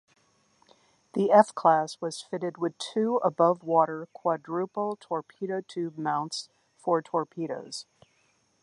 The F class was fitted with two above-water quadruple torpedo tube mounts for torpedoes.